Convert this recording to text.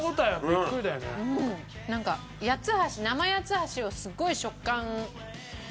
なんか生八ッ橋をすごい食感。